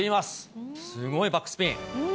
すごいバックスピン。